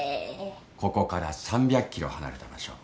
ここから３００ｋｍ離れた場所